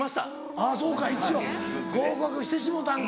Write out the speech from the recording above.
あぁそうか一応合格してしもうたんか。